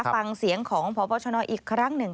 ฟังเสียงของพบชนอีกครั้งหนึ่ง